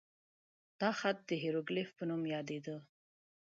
دا خط د هیروګلیف په نوم یادېده.